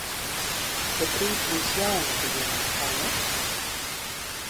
Bet rīt būs jauna diena, vai ne?